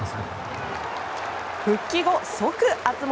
復帰後、即熱盛。